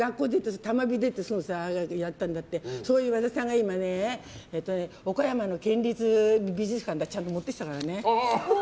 多摩美出てやったんだってそういう和田さんが岡山の県立美術館ちゃんと持ってきたからね。